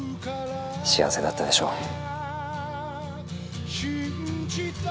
幸せだったでしょう。